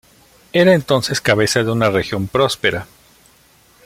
Era entonces cabeza de una región próspera.